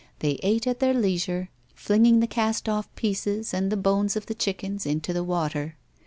They ate at their leisure, flinging the cast off pieces and the bones of the chickens into the water.